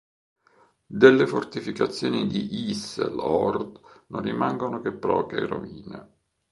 Delle fortificazioni di Ijsseloord non rimangono che poche rovine.